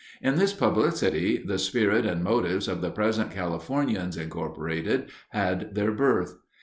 In this publicity the spirit and motives of the present Californians, Inc., had their birth.